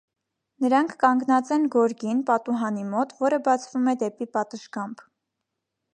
Նրանք կանգնած են գորգին, պատուհանի մոտ, որը բացվում է դեպի պատշգամբ։